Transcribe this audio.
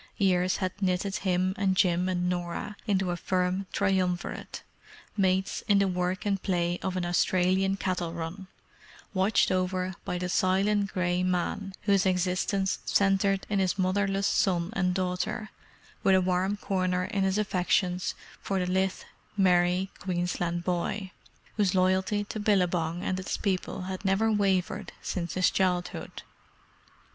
Years had knitted him and Jim and Norah into a firm triumvirate, mates in the work and play of an Australian cattle run; watched over by the silent grey man whose existence centred in his motherless son and daughter—with a warm corner in his affections for the lithe, merry Queensland boy, whose loyalty to Billabong and its people had never wavered since his childhood.